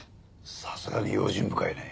さすがに用心深いね。